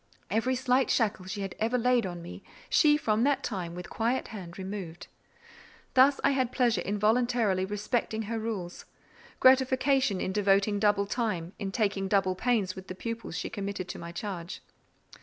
Every slight shackle she had ever laid on me, she, from that time, with quiet hand removed. Thus I had pleasure in voluntarily respecting her rules: gratification in devoting double time, in taking double pains with the pupils she committed to my charge.